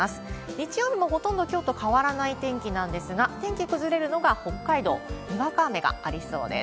日曜日もほとんどきょうと変わらない天気なんですが、天気崩れるのが北海道、にわか雨がありそうです。